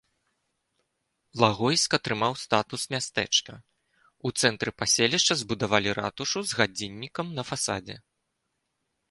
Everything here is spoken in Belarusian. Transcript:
Лагойск атрымаў статус мястэчка, у цэнтры паселішча збудавалі ратушу з гадзіннікам на фасадзе.